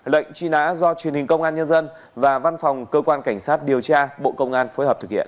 lệnh truy nã do truyền hình công an nhân dân và văn phòng cơ quan cảnh sát điều tra bộ công an phối hợp thực hiện